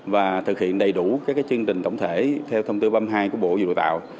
và thực hiện đầy đủ các chương trình tổng thể theo thông tư ba mươi hai của bộ dụng đào tạo